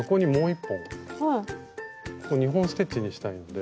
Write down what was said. ここ２本ステッチにしたいので。